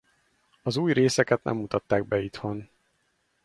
Az új részeket nem mutatták be itthon.